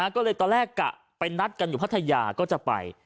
ก็เลยตอนแรกกะไปนัดกันอยู่พัทยาก็จะไป